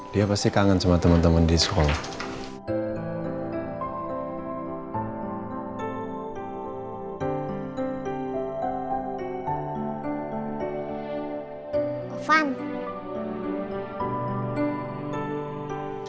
dia pasti kangen sama teman teman di sekolah